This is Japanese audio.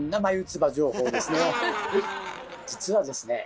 実はですね